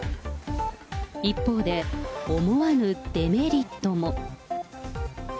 一方で、思わぬデメリットも。